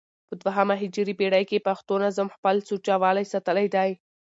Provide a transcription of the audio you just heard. په دوهمه هجري پېړۍ کښي پښتو نظم خپل سوچه والى ساتلى دئ.